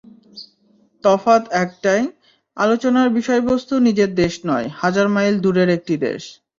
তফাত একটাই—আলোচনার বিষয়বস্তু নিজের দেশ নয়, হাজার মাইল দূরের একটি দেশ।